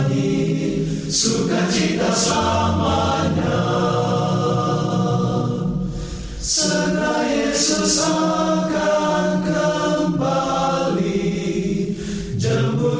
di surga bersama dia